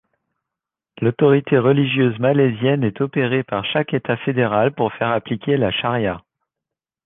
L'autorité religieuse malaisienne est opérée par chaque État fédéral pour faire appliquer la Charia.